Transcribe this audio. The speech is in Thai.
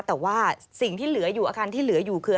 แต่ว่าสิ่งที่เหลืออยู่อาคารที่เหลืออยู่คือ